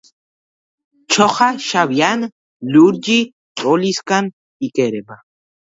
ჩოხა შავი ან ლურჯი ტოლისაგან იკერება.